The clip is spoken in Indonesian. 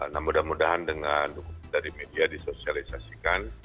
nah mudah mudahan dengan dukungan dari media disosialisasikan